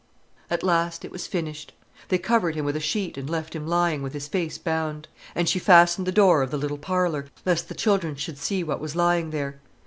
At last it was finished. They covered him with a sheet and left him lying, with his face bound. And she fastened the door of the little parlour, lest the children should see what was lying there.